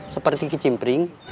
seperti ke cimpring